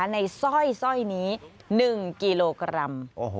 สร้อยนี้๑กิโลกรัม